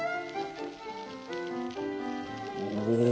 お！